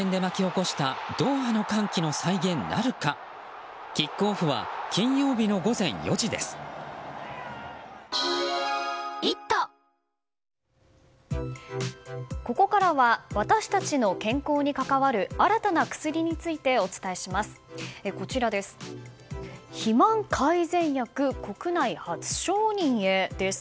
ここからは私たちの健康に関わる新たな薬についてお伝えします。